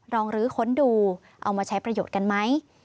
ลื้อค้นดูเอามาใช้ประโยชน์กันไหม